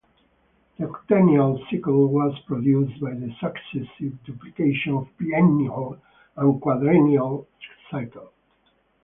The octennial cycle was produced by the successive duplication of biennial and quadrennial cycles.